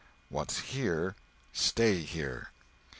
What's here, stay here!"